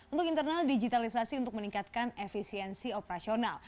untuk internal digitalisasi untuk meningkatkan efisiensi operasional